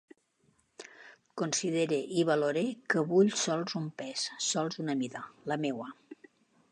Considere i valore que vull sols un pes, sols una mida: la meua.